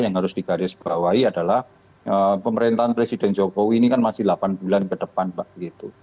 yang harus digarisbawahi adalah pemerintahan presiden jokowi ini kan masih delapan bulan ke depan pak gitu